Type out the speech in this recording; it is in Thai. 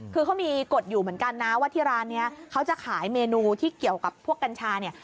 คือเขามีกฎอยู่เหมือนกันนะว่าที่ร้านนี้เขาจะขายเมนูที่เกี่ยวกับพวกกัญชาเนี่ย